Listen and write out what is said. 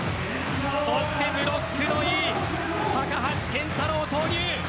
そしてブロックのいい高橋健太郎を投入。